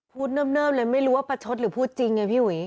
เนิ่มเลยไม่รู้ว่าประชดหรือพูดจริงไงพี่หุย